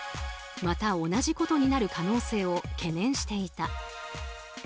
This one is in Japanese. また同じことになる可能性を懸念していた。